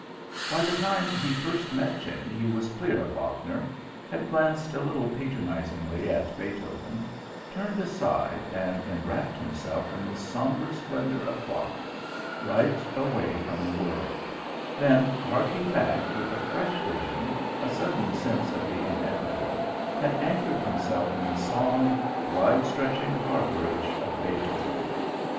By the time he first met Jenny he was clear of Wagner, had glanced a little patronisingly at Beethoven, turned aside and enwrapped himself in the sombre splendour of Bach, right away from the world; then, harking back, with a fresh vision, a sudden sense of the inevitable, had anchored himself in the solemn, wide stretching harbourage of Beethoven.